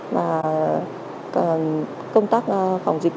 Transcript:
và công tác phòng dịch